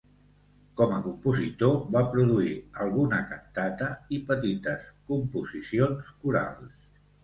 Com a compositor va produir alguna cantata i petites composicions corals.